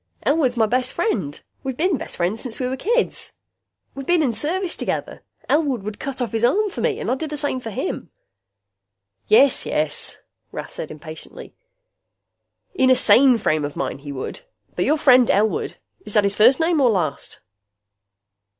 Elwood's my best friend. We been best friends since we was kids. We been in service together. Elwood would cut off his arm for me. And I'd do the same for him." "Yes, yes," Rath said impatiently, "in a sane frame of mind, he would. But your friend Elwood is that his first name or last?"